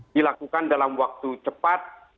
dilakukan dalam waktu cepat